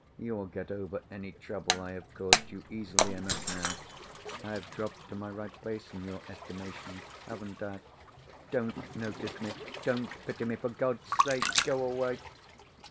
You will get over any trouble I have caused you, easily enough now. I have dropped to my right place in your estimation, haven't I? Don't notice me! Don't pity me! For God's sake, go away!"